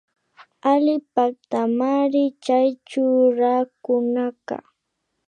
Alli paktamanri chay churakunaka